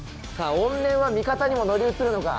怨念は味方にも乗り移るのか？